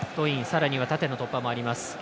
さらには縦の突破もあります。